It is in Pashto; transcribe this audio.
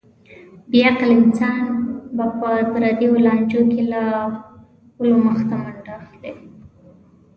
بې عقل انسان به په پردیو لانجو کې له غولو مخته منډه اخلي.